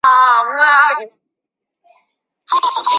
举办过奥运会的国家可以有两名委员。